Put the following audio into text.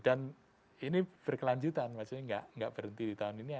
dan ini berkelanjutan maksudnya enggak berhenti di tahun ini